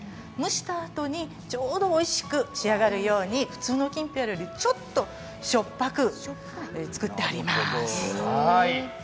蒸したあとにちょうどおいしく仕上がるように、普通のきんぴらよりちょっとしょっぱく作ってあります。